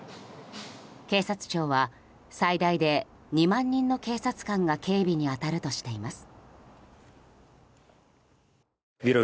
警察庁は最大で２万人の警察官が警備に当たるとしています。